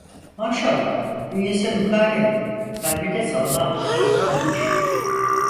Maşallah bünyesi mukavim, kalbi de sağlam, atlatır.